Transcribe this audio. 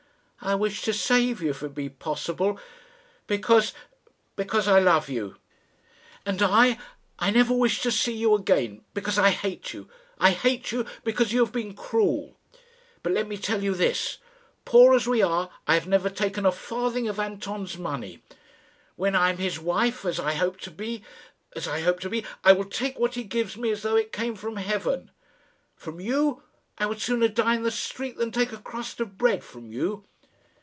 "I wish to save you if it be possible, because because I love you." "And I I never wish to see you again, because I hate you. I hate you, because you have been cruel. But let me tell you this; poor as we are, I have never taken a farthing of Anton's money. When I am his wife, as I hope to be as I hope to be I will take what he gives me as though it came from heaven. From you! I would sooner die in the street than take a crust of bread from you."